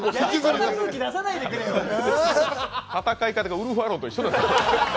戦い方が、ウルフ・アロンと一緒ですからね。